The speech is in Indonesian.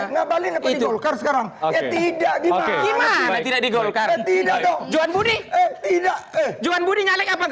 ngabalin apa di golkar sekarang